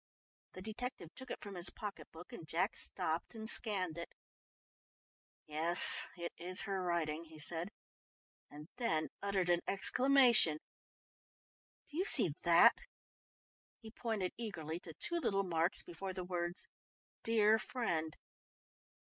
The detective took it from his pocket book and Jack stopped and scanned it. "Yes, it is her writing," he said and then uttered an exclamation. "Do you see that?" He pointed eagerly to two little marks before the words "Dear friend."